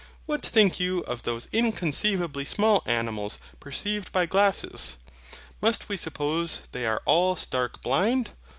What think you of those inconceivably small animals perceived by glasses? must we suppose they are all stark blind?